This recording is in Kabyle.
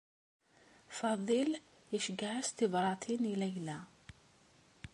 Faḍil iceyyeɛ-as tibṛatin i Layla.